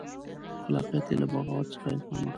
خلاقیت یې له بغاوت څخه الهام اخلي.